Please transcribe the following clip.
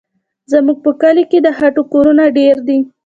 زموږ په کلي کې د خټو کورونه ډېر دي.